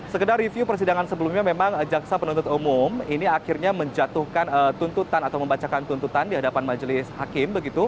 sekedar review persidangan sebelumnya memang jaksa penuntut umum ini akhirnya menjatuhkan tuntutan atau membacakan tuntutan di hadapan majelis hakim